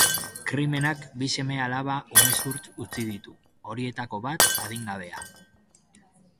Krimenak bi seme-alaba umezurtz utzi ditu, horietako bat, adingabea.